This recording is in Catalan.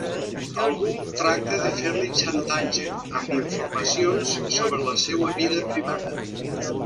Algú tracta de fer-li xantatge amb informacions sobre la seua vida privada.